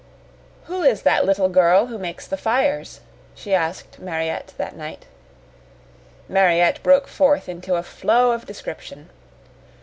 "Who is that little girl who makes the fires?" she asked Mariette that night. Mariette broke forth into a flow of description.